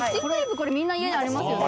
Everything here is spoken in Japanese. これ、みんな家にありますよね」